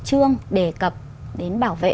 chương đề cập đến bảo vệ